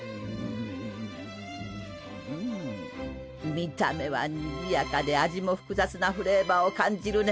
見た目はにぎやかで味も複雑なフレーバーを感じるね。